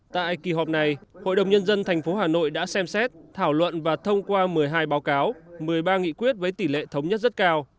tại kỳ họp này hội đồng nhân dân tp hà nội đã xem xét thảo luận và thông qua một mươi hai báo cáo một mươi ba nghị quyết với tỷ lệ thống nhất rất cao